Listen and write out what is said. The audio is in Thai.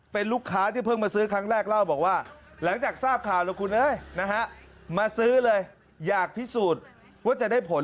ผมเห็นแน่ข้าวของผมก็เลยจะมาลองดูครับ